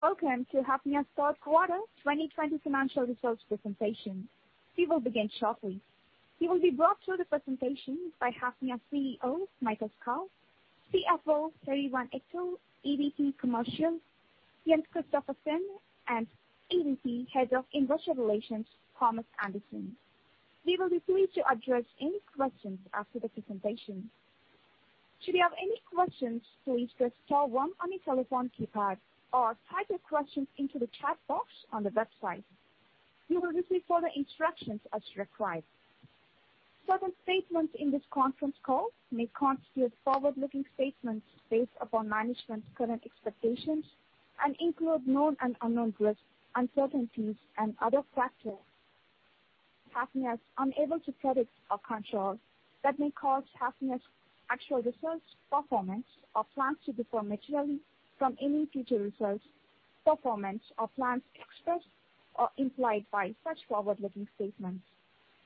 Welcome to Hafnia's third quarter 2020 financial results presentation. We will begin shortly. You will be walked through the presentation by Hafnia CEO, Mikael Skov, CFO, Perry van Echtelt, EVP Commercial, Jens Christophersen, and EVP Head of Investor Relations, Thomas Andersen. We will be free to address any questions after the presentation. Should you have any questions, please press star one on your telephone keypad or type your questions into the chat box on the website. You will receive further instructions as required. Certain statements in this conference call may constitute forward-looking statements based upon management's current expectations and include known and unknown risks, uncertainties, and other factors Hafnia is unable to predict or control that may cause Hafnia's actual results, performance, or plans to differ materially from any future results, performance, or plans expressed or implied by such forward-looking statements.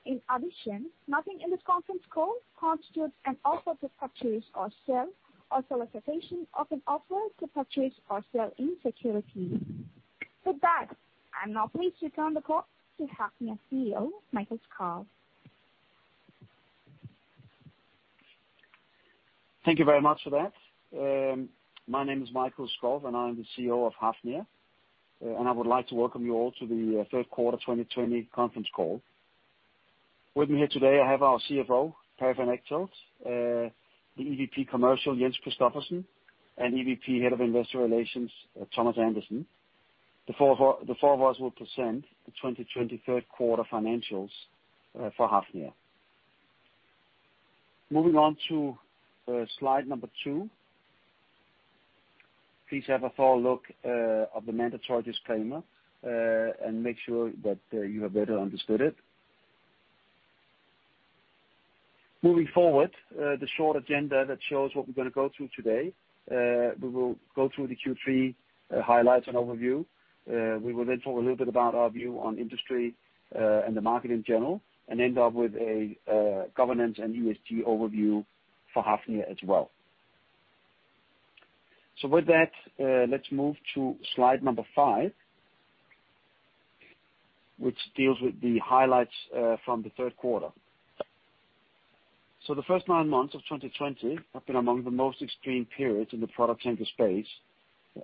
In addition, nothing in this conference call constitutes an offer to purchase or sell, or solicitation of an offer to purchase or sell any securities. With that, I'm now pleased to turn the call to Hafnia CEO, Mikael Skov. Thank you very much for that. My name is Mikael Skov, and I'm the CEO of Hafnia. I would like to welcome you all to the third quarter 2020 conference call. With me here today, I have our CFO, Perry van Echtelt, the EVP Commercial, Jens Christophersen, and EVP, Head of Investor Relations, Thomas Andersen. The four of us will present the 2020 third quarter financials for Hafnia. Moving on to slide number two. Please have a thorough look of the mandatory disclaimer, and make sure that you have better understood it. Moving forward, the short agenda that shows what we're going to go through today. We will go through the Q3 highlights and overview. We will then talk a little bit about our view on industry and the market in general, and end up with a governance and ESG overview for Hafnia as well. With that, let's move to slide five, which deals with the highlights from the third quarter. The first nine months of 2020 have been among the most extreme periods in the product tanker space,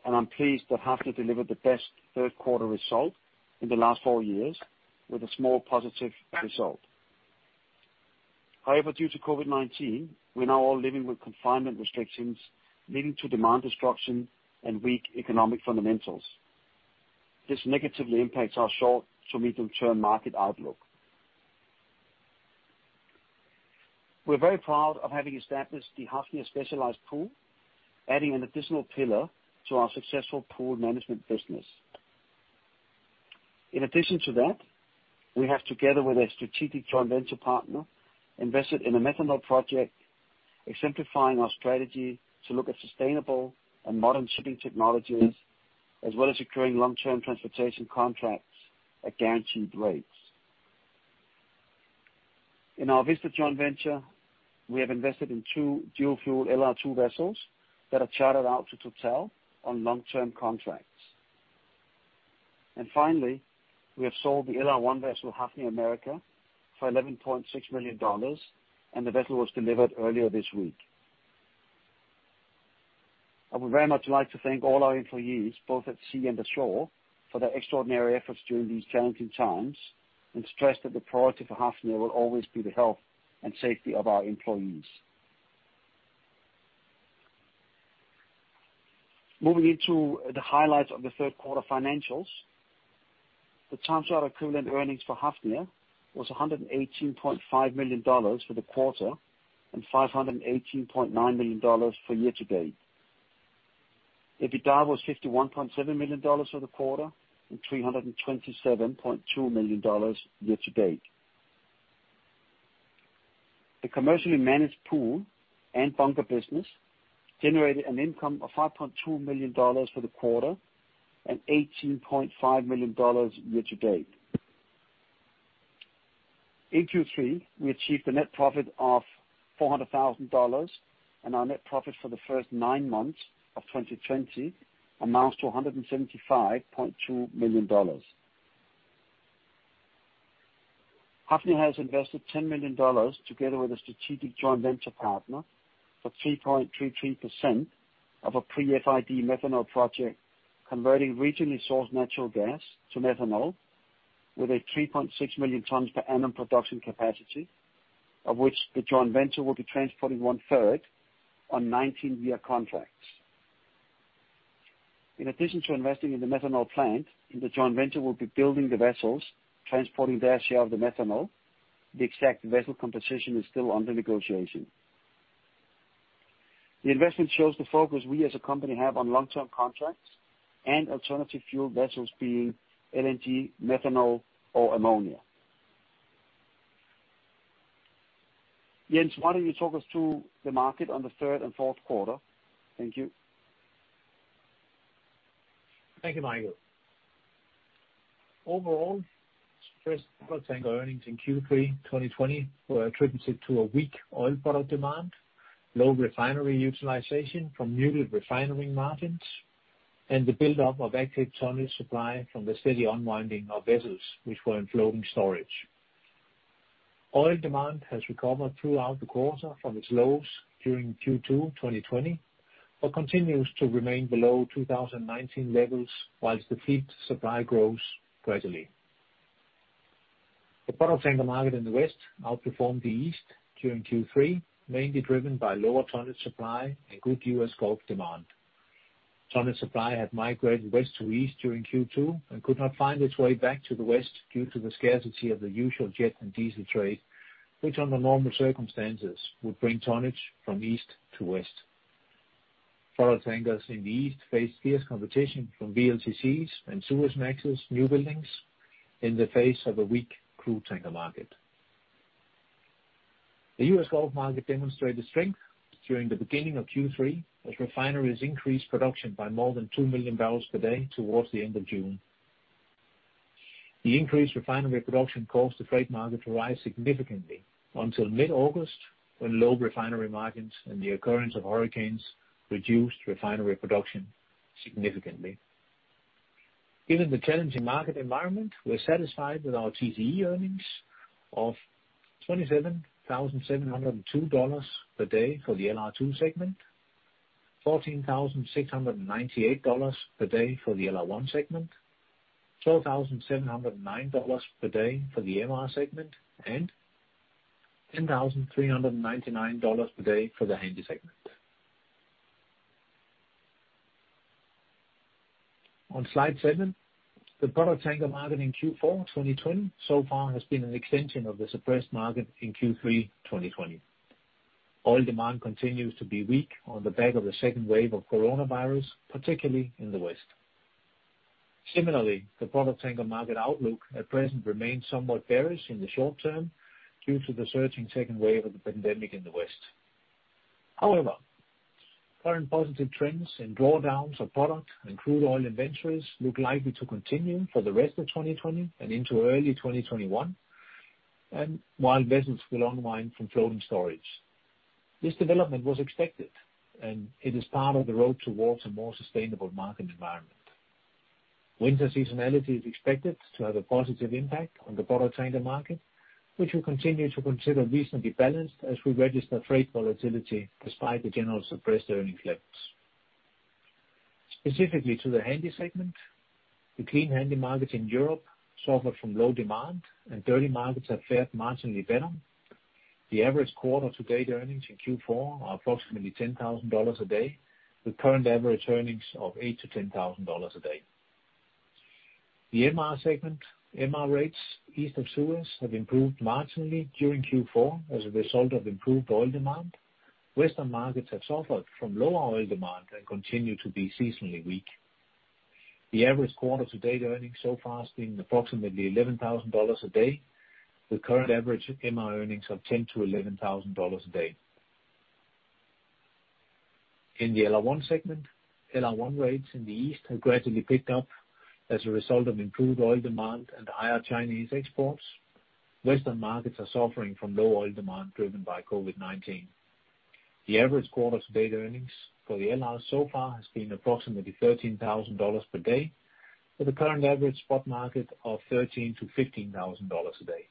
and I'm pleased that Hafnia delivered the best third quarter result in the last four years with a small positive result. However, due to COVID-19, we're now all living with confinement restrictions, leading to demand destruction and weak economic fundamentals. This negatively impacts our short- to medium-term market outlook. We're very proud of having established the Hafnia Specialized Pool, adding an additional pillar to our successful pool management business. In addition to that, we have, together with a strategic joint venture partner, invested in a methanol project, exemplifying our strategy to look at sustainable and modern shipping technologies, as well as securing long-term transportation contracts at guaranteed rates. In our Vista joint venture, we have invested in two dual-fuel LR2 vessels that are chartered out to Total on long-term contracts. Finally, we have sold the LR1 vessel Hafnia America for $11.6 million, and the vessel was delivered earlier this week. I would very much like to thank all our employees, both at sea and at shore, for their extraordinary efforts during these challenging times, and stress that the priority for Hafnia will always be the health and safety of our employees. Moving into the highlights of the third quarter financials. The time charter equivalent earnings for Hafnia was $118.5 million for the quarter and $518.9 million for year-to-date. EBITDA was $51.7 million for the quarter and $327.2 million year-to-date. The commercially managed pool and bunker business generated an income of $5.2 million for the quarter and $18.5 million year-to-date. In Q3, we achieved a net profit of $400,000, and our net profit for the first nine months of 2020 amounts to $175.2 million. Hafnia has invested $10 million together with a strategic joint venture partner for 3.33% of a pre-FID methanol project, converting regionally sourced natural gas to methanol with a 3.6 million tons per annum production capacity, of which the joint venture will be transporting one-third on 19-year contracts. In addition to investing in the methanol plant, the joint venture will be building the vessels transporting their share of the methanol. The exact vessel composition is still under negotiation. The investment shows the focus we as a company have on long-term contracts and alternative fuel vessels being LNG, methanol, or ammonia. Jens, why don't you talk us through the market on the third and fourth quarter? Thank you. Thank you, Mikael. Overall, stressed product tanker earnings in Q3 2020 were attributed to a weak oil product demand, low refinery utilization from muted refinery margins, and the buildup of active tonnage supply from the steady unwinding of vessels which were in floating storage. Oil demand has recovered throughout the quarter from its lows during Q2 2020, but continues to remain below 2019 levels while the fleet supply grows gradually. The product tanker market in the West outperformed the East during Q3, mainly driven by lower tonnage supply and good U.S. Gulf demand. Tonnage supply had migrated west to east during Q2 and could not find its way back to the West due to the scarcity of the usual jet and diesel trade, which under normal circumstances would bring tonnage from east to west. Product tankers in the East faced fierce competition from VLCCs and Suezmaxes newbuildings in the face of a weak crude tanker market. The U.S. Gulf market demonstrated strength during the beginning of Q3 as refineries increased production by more than two million barrels per day towards the end of June. The increased refinery production caused the freight market to rise significantly until mid-August, when low refinery margins and the occurrence of hurricanes reduced refinery production significantly. Given the challenging market environment, we're satisfied with our TCE earnings of $27,702 per day for the LR2 segment, $14,698 per day for the LR1 segment, $12,709 per day for the MR segment, and $10,399 per day for the Handy segment. On slide seven, the product tanker market in Q4 2020 so far has been an extension of the suppressed market in Q3 2020. Oil demand continues to be weak on the back of the second wave of coronavirus particularly in the West. Similarly, the product tanker market outlook at present remains somewhat bearish in the short term due to the surging second wave of the pandemic in the West. However, current positive trends in drawdowns of product and crude oil inventories look likely to continue for the rest of 2020 and into early 2021, and while vessels will unwind from floating storage. This development was expected, and it is part of the road towards a more sustainable market environment. Winter seasonality is expected to have a positive impact on the product tanker market, which we continue to consider reasonably balanced as we register freight volatility despite the general suppressed earnings levels. Specifically to the Handy segment, the clean Handy markets in Europe suffered from low demand, and dirty markets have fared marginally better. The average quarter to date earnings in Q4 are approximately $10,000 a day, with current average earnings of $8,000-$10,000 a day. The MR segment, MR rates east of Suez have improved marginally during Q4 as a result of improved oil demand. Western markets have suffered from lower oil demand and continue to be seasonally weak. The average quarter to date earnings so far has been approximately $11,000 a day, with current average MR earnings of $10,000-$11,000 a day. In the LR1 segment, LR1 rates in the East have gradually picked up as a result of improved oil demand and higher Chinese exports. Western markets are suffering from low oil demand driven by COVID-19. The average quarter to date earnings for the LR so far has been approximately $13,000 per day, with the current average spot market of $13,000-$15,000 a day.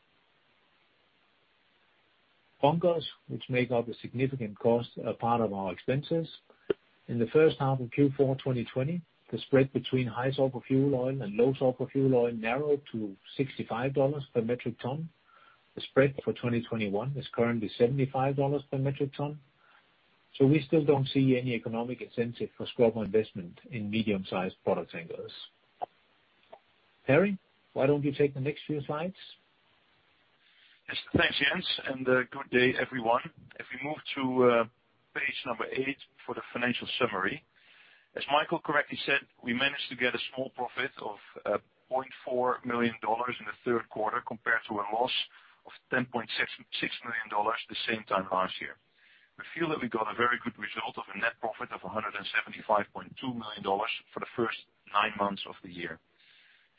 Bunkers, which make up a significant cost, are part of our expenses. In the first half of Q4 2020, the spread between high sulfur fuel oil and low sulfur fuel oil narrowed to $65 per metric ton. The spread for 2021 is currently $75 per metric ton. We still don't see any economic incentive for scrubber investment in medium-sized product tankers. Perry, why don't you take the next few slides? Yes. Thanks, Jens. Good day everyone. If we move to page number eight for the financial summary. As Mikael correctly said, we managed to get a small profit of $0.4 million in the third quarter compared to a loss of $10.6 million the same time last year. We feel that we got a very good result of a net profit of $175.2 million for the first nine months of the year.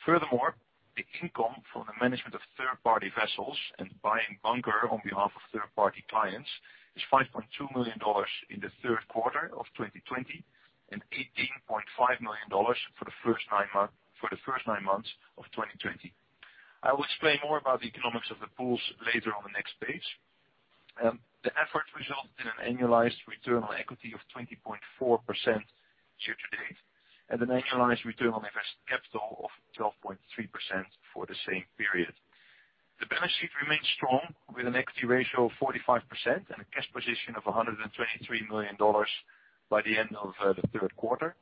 Furthermore, the income from the management of third-party vessels and buying bunker on behalf of third-party clients is $5.2 million in the third quarter of 2020 and $18.5 million for the first nine months of 2020. I will explain more about the economics of the pools later on the next page. The efforts result in an annualized return on equity of 20.4% year-to-date and an annualized return on invested capital of 12.3% for the same period. The balance sheet remains strong with an equity ratio of 45% and a cash position of $123 million by the end of the third quarter.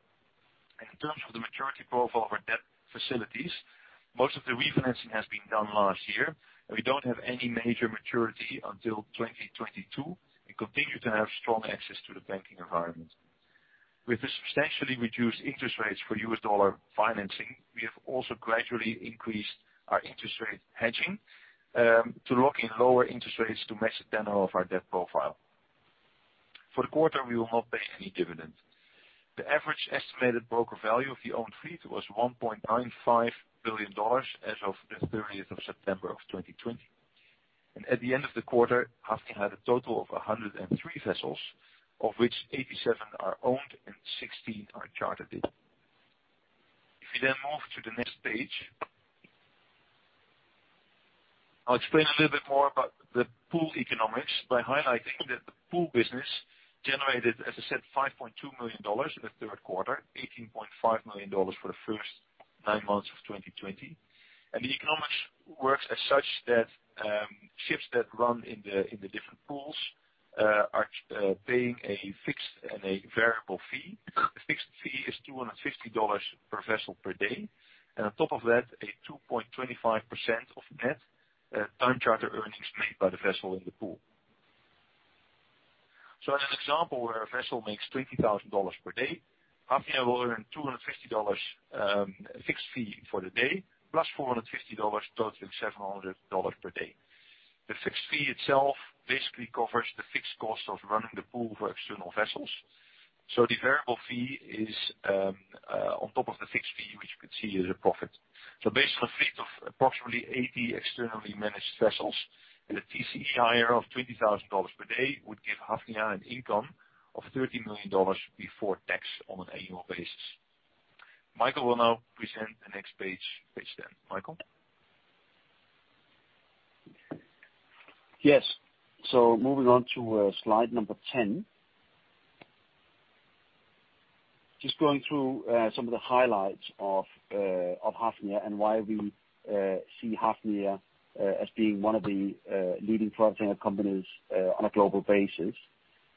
In terms of the maturity profile of our debt facilities, most of the refinancing has been done last year, and we don't have any major maturity until 2022 and continue to have strong access to the banking environment. With the substantially reduced interest rates for US dollar financing, we have also gradually increased our interest rate hedging to lock in lower interest rates to match the tenor of our debt profile. For the quarter, we will not pay any dividend. The average estimated broker value of the owned fleet was $1.95 billion as of the 30th of September of 2020. At the end of the quarter, Hafnia had a total of 103 vessels, of which 87 are owned and 16 are chartered in. If you then move to the next page. I'll explain a little bit more about the pool economics by highlighting that the pool business generated, as I said, $5.2 million in the third quarter, $18.5 million for the first nine months of 2020. The economics works as such that ships that run in the different pools are paying a fixed and a variable fee. The fixed fee is $250 per vessel per day, and on top of that, a 2.25% of net time charter earnings made by the vessel in the pool. As an example, where a vessel makes $20,000 per day, Hafnia will earn $250 fixed fee for the day, plus $450, totaling $700 per day. The fixed fee itself basically covers the fixed cost of running the pool for external vessels. The variable fee is on top of the fixed fee, which you could see as a profit. Based on a fleet of approximately 80 externally managed vessels, the TCE of $20,000 per day would give Hafnia an income of $30 million before tax on an annual basis. Mikael will now present the next page 10. Mikael? Yes. Moving on to slide number 10. Just going through some of the highlights of Hafnia and why we see Hafnia as being one of the leading product tanker companies on a global basis.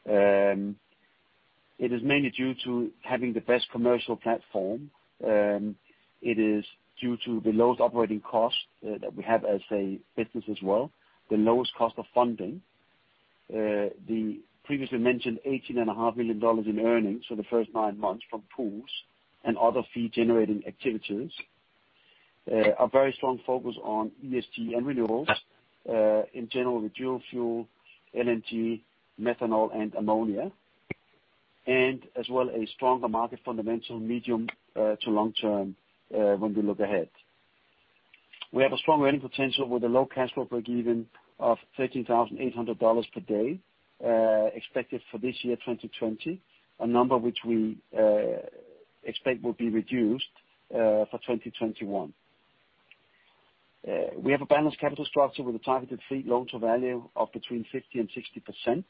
It is mainly due to having the best commercial platform. It is due to the lowest operating cost that we have as a business as well, the lowest cost of funding. The previously mentioned $18.5 million in earnings for the first nine months from pools and other fee-generating activities. A very strong focus on ESG and renewables. In general, the dual fuel, LNG, methanol and ammonia, and as well, a stronger market fundamental medium to long term, when we look ahead. We have a strong earning potential with a low cash flow breakeven of $13,800 per day, expected for this year, 2020. A number which we expect will be reduced for 2021. We have a balanced capital structure with a targeted fleet loan to value of between 50% and 60%.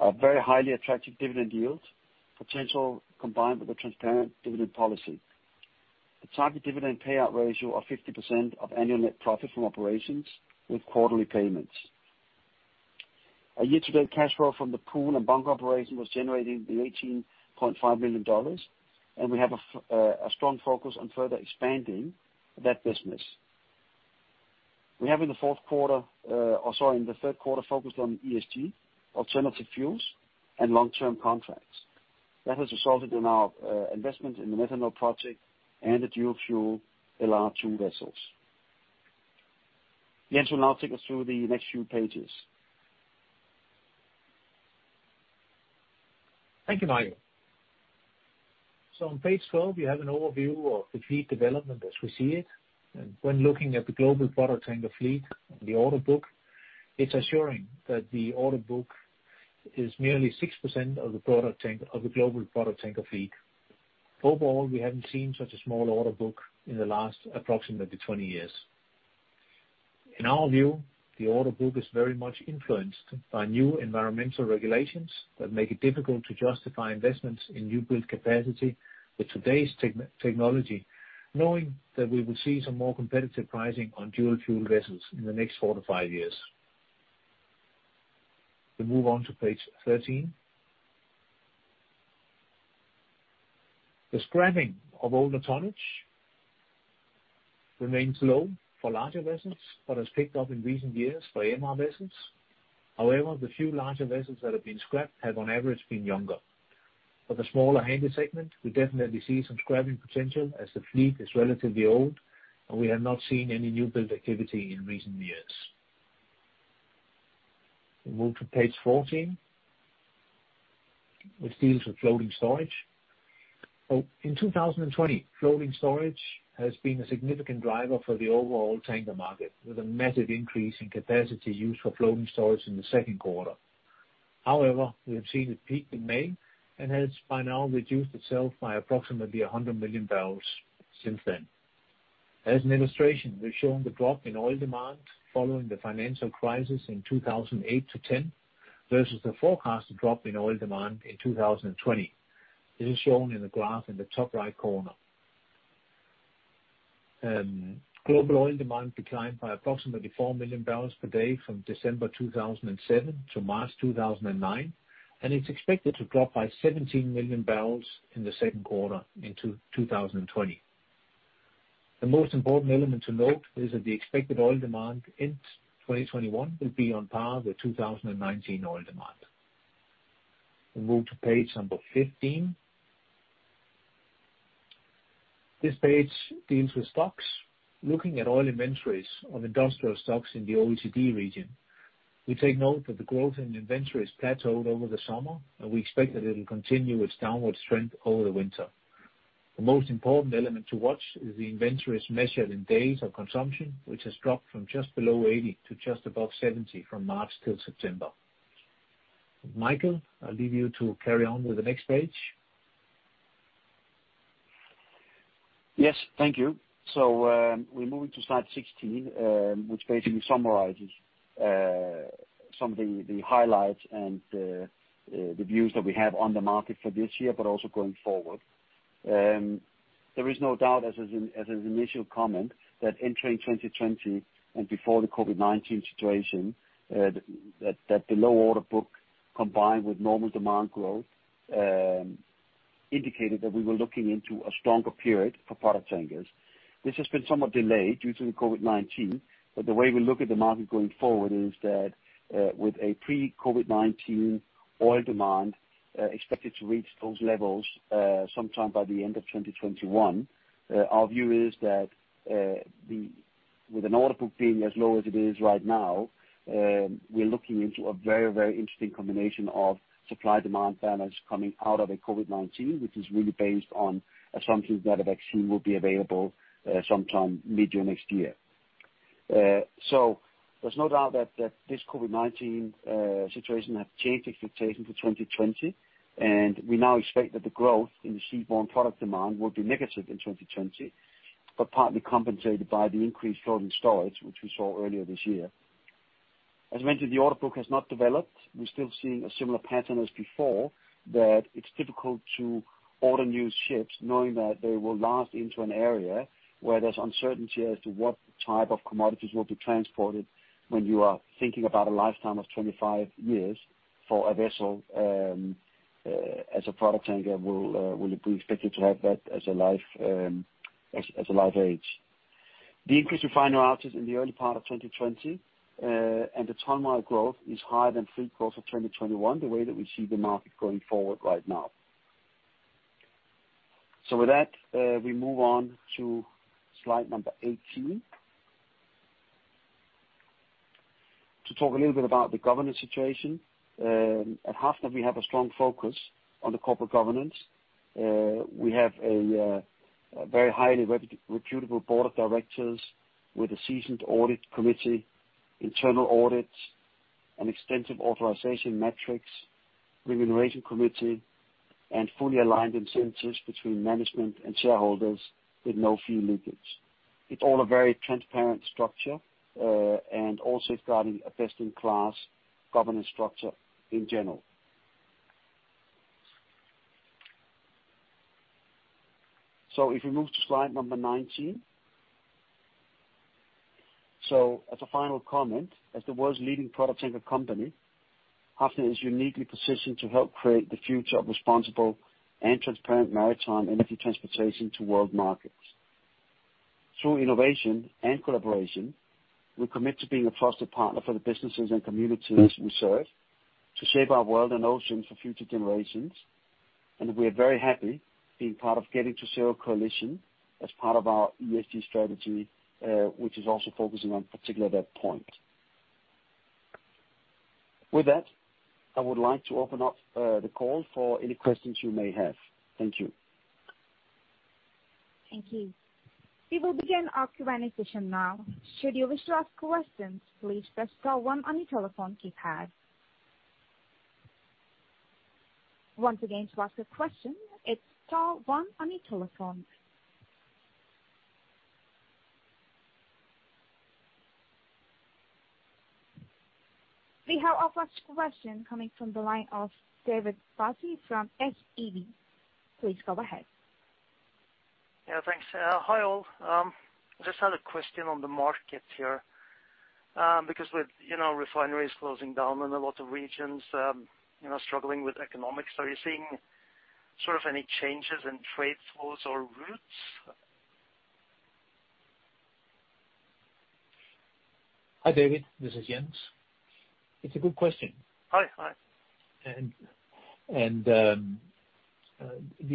A very highly attractive dividend yield potential combined with a transparent dividend policy. A target dividend payout ratio of 50% of annual net profit from operations with quarterly payments. Our year-to-date cash flow from the pool and bunker operation was generating the $18.5 million, and we have a strong focus on further expanding that business. We have in the third quarter focused on ESG, alternative fuels and long-term contracts. That has resulted in our investment in the methanol project and the dual fuel LR2 vessels. Jens will now take us through the next few pages. Thank you, Mikael. On page 12, we have an overview of the fleet development as we see it. When looking at the global product tanker fleet and the order book, it's assuring that the order book is merely 6% of the global product tanker fleet. Overall, we haven't seen such a small order book in the last approximately 20 years. In our view, the order book is very much influenced by new environmental regulations that make it difficult to justify investments in new build capacity with today's technology, knowing that we will see some more competitive pricing on dual fuel vessels in the next four to five years. We move on to page 13. The scrapping of older tonnage remains low for larger vessels, but has picked up in recent years for MR vessels. However, the few larger vessels that have been scrapped have on average been younger. For the smaller Handy segment, we definitely see some scrapping potential as the fleet is relatively old and we have not seen any new build activity in recent years. We move to page 14, which deals with floating storage. In 2020, floating storage has been a significant driver for the overall tanker market, with a massive increase in capacity used for floating storage in the second quarter. However, we have seen it peak in May and has by now reduced itself by approximately 100 million barrels since then. As an illustration, we're showing the drop in oil demand following the financial crisis in 2008 to 2010 versus the forecasted drop in oil demand in 2020. This is shown in the graph in the top right corner. Global oil demand declined by approximately 4 million barrels per day from December 2007 to March 2009. It's expected to drop by 17 million barrels in the second quarter into 2020. The most important element to note is that the expected oil demand in 2021 will be on par with 2019 oil demand. We move to page number 15. This page deals with stocks. Looking at oil inventories of industrial stocks in the OECD region, we take note that the growth in inventory has plateaued over the summer, and we expect that it'll continue its downward trend over the winter. The most important element to watch is the inventories measured in days of consumption, which has dropped from just below 80 to just above 70 from March till September. Mikael, I'll leave you to carry on with the next page. Yes. Thank you. We're moving to slide 16, which basically summarizes some of the highlights and the views that we have on the market for this year, but also going forward. There is no doubt, as an initial comment, that entering 2020 and before the COVID-19 situation, that the low order book, combined with normal demand growth, indicated that we were looking into a stronger period for product tankers. This has been somewhat delayed due to COVID-19, but the way we look at the market going forward is that, with a pre-COVID-19 oil demand expected to reach those levels sometime by the end of 2021, our view is that with an order book being as low as it is right now, we're looking into a very interesting combination of supply-demand balance coming out of COVID-19, which is really based on assumptions that a vaccine will be available sometime mid-year next year. There's no doubt that this COVID-19 situation has changed expectations for 2020, and we now expect that the growth in the seaborne product demand will be negative in 2020, but partly compensated by the increased floating storage, which we saw earlier this year. As mentioned, the order book has not developed. We're still seeing a similar pattern as before, that it's difficult to order new ships knowing that they will last into an area where there's uncertainty as to what type of commodities will be transported when you are thinking about a lifetime of 25 years for a vessel, as a product tanker, will it be expected to have that as a live age. The increase in final outage in the early part of 2020. The ton mile growth is higher than fleet growth for 2021, the way that we see the market going forward right now. With that, we move on to slide number 18, to talk a little bit about the governance situation. At Hafnia, we have a strong focus on the corporate governance. We have a very highly reputable board of directors with a seasoned audit committee, internal audits, an extensive authorization metrix, remuneration committee, and fully aligned incentives between management and shareholders with no fee leakage. It's all a very transparent structure, also it's guarding a best-in-class governance structure in general. If we move to slide number 19. As a final comment, as the world's leading product tanker company, Hafnia is uniquely positioned to help create the future of responsible and transparent maritime energy transportation to world markets. Through innovation and collaboration, we're committed to being a trusted partner for the businesses and communities we serve, to save our world and ocean for future generations. We are very happy being part of Getting to Zero Coalition as part of our ESG strategy, which is also focusing on particular that point. With that, I would like to open up the call for any questions you may have. Thank you. Thank you. We will begin our Q&A session now. Should you wish to ask questions, please press star one on your telephone keypad. Once again, to ask a question, it's star one on your telephone. We have our first question coming from the line of David Fassi from SEB. Please go ahead. Yeah, thanks. Hi, all. I just had a question on the market here. With refineries closing down in a lot of regions struggling with economics, are you seeing sort of any changes in trade flows or routes? Hi, David. This is Jens. It's a good question. Hi. The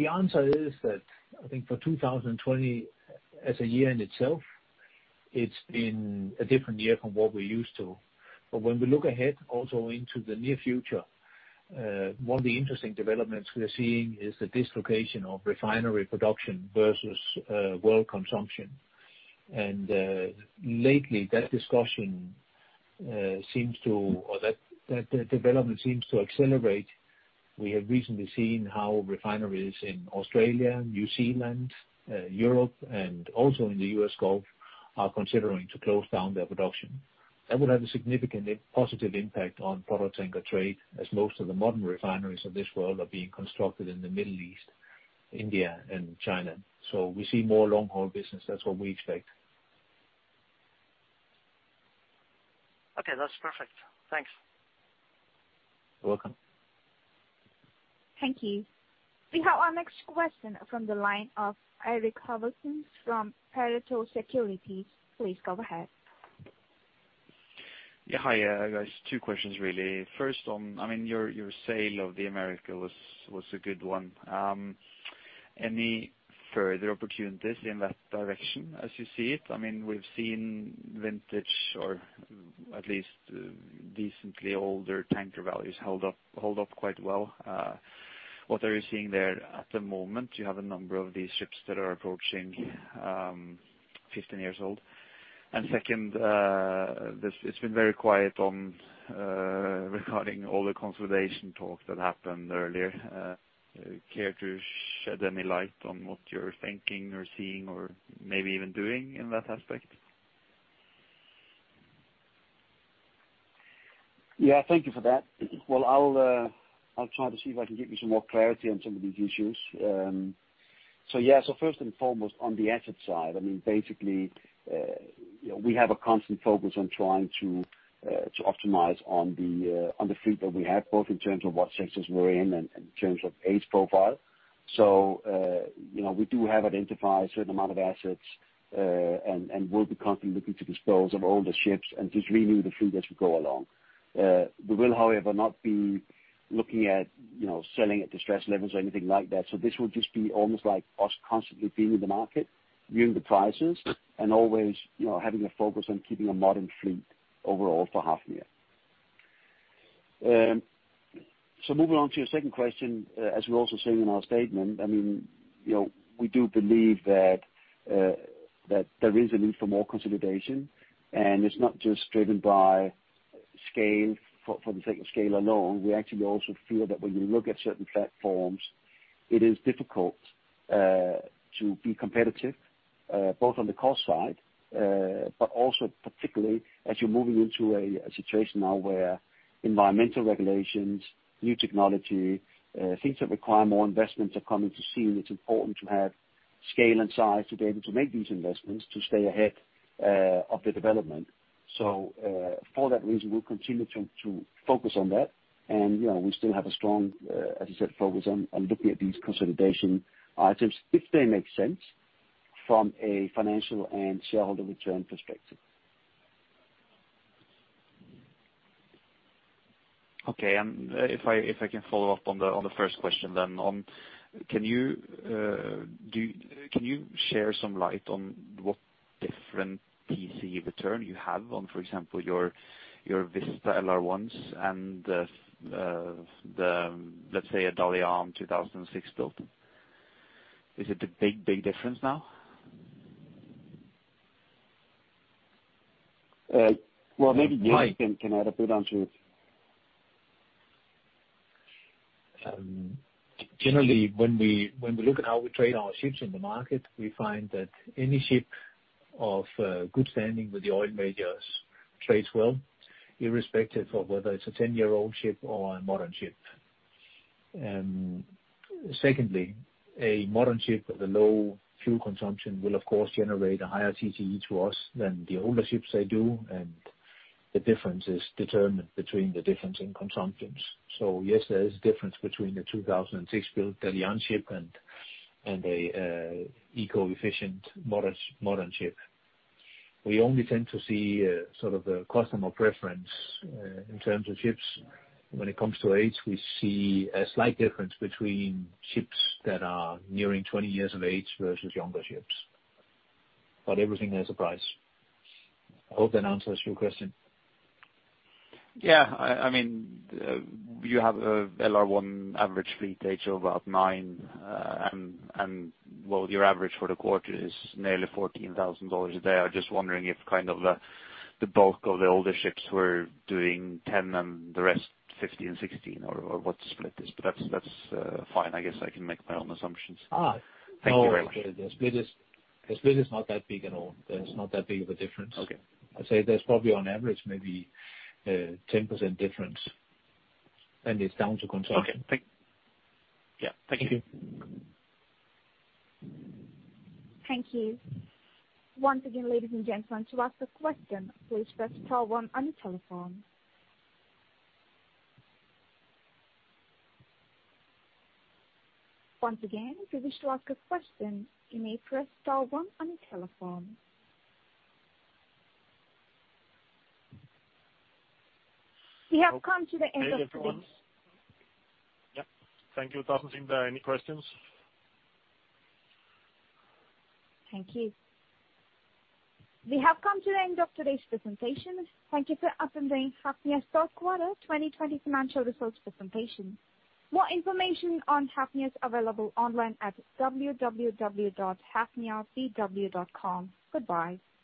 answer is that I think for 2020 as a year in itself, it's been a different year from what we're used to. When we look ahead also into the near future, one of the interesting developments we are seeing is the dislocation of refinery production versus world consumption. Lately, that development seems to accelerate. We have recently seen how refineries in Australia, New Zealand, Europe, and also in the U.S. Gulf are considering to close down their production. That will have a significantly positive impact on product tanker trade, as most of the modern refineries of this world are being constructed in the Middle East, India, and China. We see more long-haul business. That's what we expect. Okay, that's perfect. Thanks. You're welcome. Thank you. We have our next question from the line of Eirik Haavaldsen from Pareto Securities. Please go ahead. Hi, guys. Two questions really. First on, your sale of the America was a good one. Any further opportunities in that direction as you see it? We've seen vintage, or at least decently older tanker values hold up quite well. What are you seeing there at the moment? Do you have a number of these ships that are approaching 15 years old? Second, it's been very quiet on regarding all the consolidation talk that happened earlier. Care to shed any light on what you're thinking or seeing or maybe even doing in that aspect? Yeah, thank you for that. Well, I'll try to see if I can give you some more clarity on some of these issues. First and foremost, on the asset side, basically, we have a constant focus on trying to optimize on the fleet that we have, both in terms of what sectors we're in and in terms of age profile. We do have identified a certain amount of assets, and we'll be constantly looking to dispose of older ships and just renew the fleet as we go along. We will, however, not be looking at selling at distressed levels or anything like that. This will just be almost like us constantly being in the market, viewing the prices, and always having a focus on keeping a modern fleet overall for Hafnia. Moving on to your second question, as we also said in our statement, we do believe that there is a need for more consolidation, and it's not just driven by scale, for the sake of scale alone. We actually also feel that when you look at certain platforms, it is difficult to be competitive, both on the cost side, but also particularly as you're moving into a situation now where environmental regulations, new technology, things that require more investments are coming to scene, it's important to have scale and size to be able to make these investments to stay ahead of the development. For that reason, we'll continue to focus on that. We still have a strong, as you said, focus on looking at these consolidation items if they make sense from a financial and shareholder return perspective. Okay. If I can follow up on the first question then. Can you share some light on what different TC return you have on, for example, your Vista LR1s and let's say a Dalian 2006 build? Is it a big difference now? Well, maybe Jens can add a bit on to it. Generally, when we look at how we trade our ships in the market, we find that any ship of good standing with the oil majors trades well, irrespective of whether it's a 10-year-old ship or a modern ship. Secondly, a modern ship with a low fuel consumption will of course generate a higher TCE to us than the older ships they do, and the difference is determined between the difference in consumptions. Yes, there is a difference between the 2006 built Dalian ship and a eco-efficient modern ship. We only tend to see sort of the customer preference, in terms of ships. When it comes to age, we see a slight difference between ships that are nearing 20 years of age versus younger ships. Everything has a price. I hope that answers your question. You have a LR1 average fleet age of about nine, and your average for the quarter is nearly $14,000 a day. I was just wondering if kind of the bulk of the older ships were doing $10 and the rest $15, $16, or what the split is. That's fine. I guess I can make my own assumptions. Thank you very much. No, the split is not that big at all. There is not that big of a difference. Okay. I'd say there's probably on average maybe 10% difference. It's down to consumption. Okay. Yeah. Thank you. Thank you. Once again, ladies and gentlemen, to ask a question, please press star one on your telephone. Once again, if you wish to ask a question, you may press star one on your telephone. We have come to the end of the call. Okay, everyone. Yep. Thank you. It doesn't seem there are any questions. Thank you. We have come to the end of today's presentation. Thank you for attending Hafnia's third quarter 2020 financial results presentation. More information on Hafnia is available online at www.hafnia.com. Goodbye.